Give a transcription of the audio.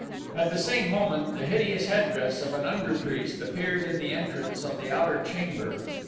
At the same moment the hideous headdress of an under priest appeared in the entrance of the outer chamber.